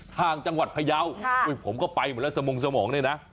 ทางจังหวัดพยาวผมก็ไปหมดแล้วสมงสมองเนี่ยนะ